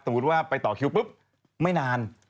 สมมุติว่าไปต่อคิวปุ๊บไม่นาน